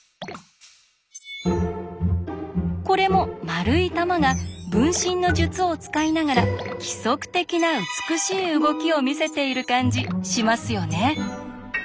これも丸い玉が「分身の術」を使いながら規則的な美しい動きを見せている感じしますよね？